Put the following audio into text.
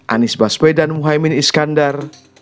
anies baswedan muhaymin iskandar